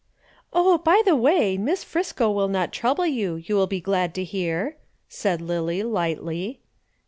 "Oh, by the way, Miss Friscoe will not trouble you, you will be glad to hear," said Lillie, lightly.